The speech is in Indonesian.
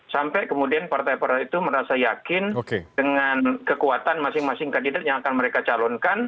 sampai kemudian partai partai itu merasa yakin dengan kekuatan masing masing kandidat yang akan mereka calonkan